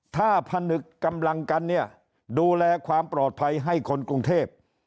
ถ้าผนึกกำลังกันเนี่ยดูแลความปลอดภัยให้คนกรุงเทพ